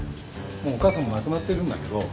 もうお母さんも亡くなってるんだけど。